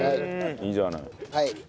いいじゃない。